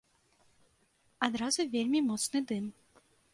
Адразу вельмі моцны дым.